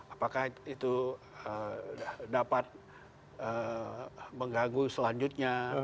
apakah itu dapat mengganggu selanjutnya